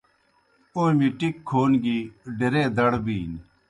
اومیْ ٹِکیْ کھون گیْ ڈیرے دڑ بِینیْ۔